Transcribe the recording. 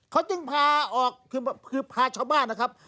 เขาจึงพาออกคือพาชาวบ้านนะครับ